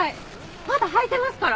まだ履いてますから。